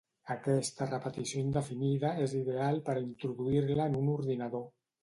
Aquesta repetició indefinida és ideal per a introduir-la en un ordinador.